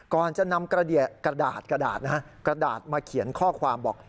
ก่อนจะนำกระดาษมาเขียนข้อความบอก